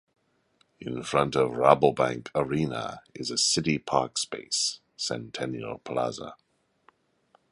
In front of Rabobank Arena is a city parkspace, Centennial Plaza.